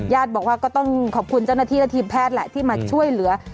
บอกว่าก็ต้องขอบคุณเจ้าหน้าที่และทีมแพทย์แหละที่มาช่วยเหลือ